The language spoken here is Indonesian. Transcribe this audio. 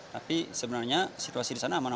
tapi sebenarnya situasi di sana aman